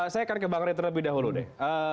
saya akan ke bang ray terlebih dahulu deh